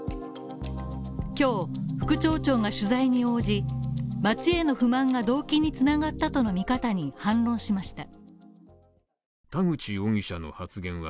今日、副町長が取材に応じ、町への不満が動機に繋がったとの見方に反論しました